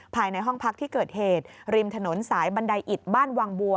ภายในห้องพักที่เกิดเหตุริมถนนสายบันไดอิดบ้านวังบัว